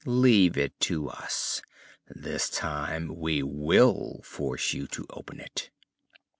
Leave it to us: this time we will force you to open it!"